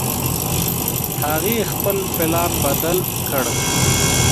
هغې خپل پلان بدل کړ